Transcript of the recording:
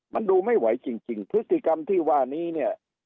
มันดูไม่ไหวจริงพฤศจิกรรมที่ว่านี้